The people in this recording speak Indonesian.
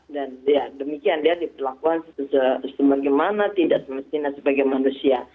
dan demikian dia diperlakukan seperti mana tidak semestinya sebagai manusia